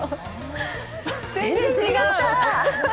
全然違った！